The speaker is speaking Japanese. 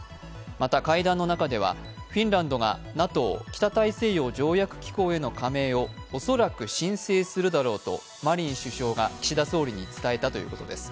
また会談の中ではフィンランドがＮＡＴＯ＝北大西洋条約機構への加盟を恐らく申請するだろうとマリン首相が岸田総理に伝えたということです。